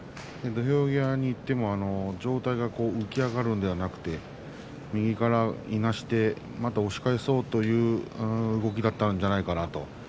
土俵際にいっても上体が浮き上がるのではなくて右からいなしてまた押し返そうという動きがあったんじゃないかなと。